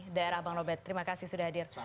daerah bang robert terima kasih sudah hadir